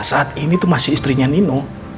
saat ini itu masih istrinya nino